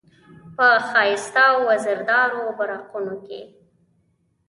په ښایسته او وزردارو براقونو،